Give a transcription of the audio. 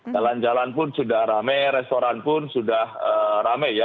jalan jalan pun sudah rame restoran pun sudah rame ya